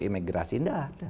imigrasi tidak ada